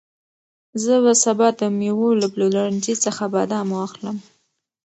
زه به سبا د مېوو له پلورنځي څخه بادام واخلم.